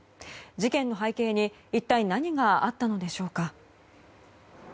事件の背景に一体何があったのでしょうか。